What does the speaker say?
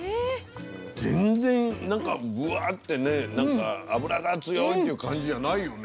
全然ぶわってね、脂が強いっていう感じじゃないよね。